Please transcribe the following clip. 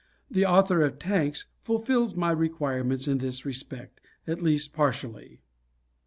The author of "Tanks" fulfills my requirements in this respect, at least partially.